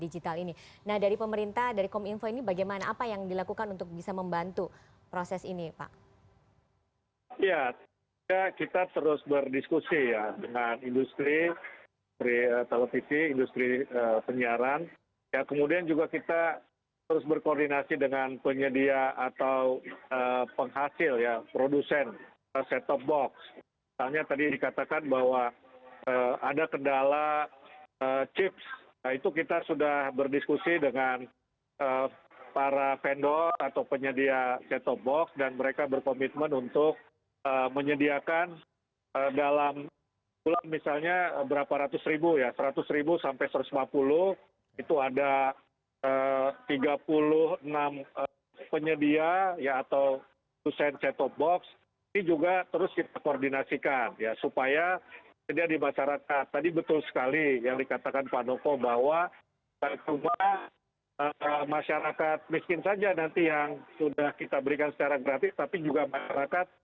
jadi saya rasa ini sebuah langkah yang konkret yang pemerintah lakukan